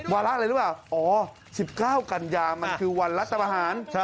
ว่าแล้วอะไรรึเปล่าอ๋อ๑๙กันยามันคือวันรัฐบาหาร